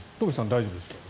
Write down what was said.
大丈夫でしたか？